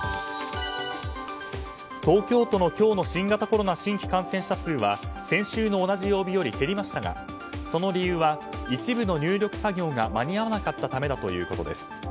東京都の今日の新型コロナ新規感染者数は先週の同じ曜日より減りましたが、その理由は一部の入力作業が間に合わなかったためだということです。